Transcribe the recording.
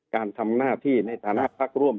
การทำหน้าที่ในฐานะพักร่วม